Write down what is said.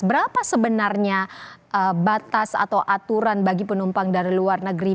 berapa sebenarnya batas atau aturan bagi penumpang dari luar negeri